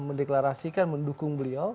mendeklarasikan mendukung beliau